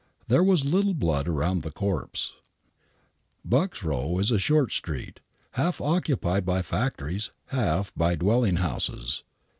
There was little blood around the corpse Buck's Row is a short street, half occupied by factories, half by dwelling houses.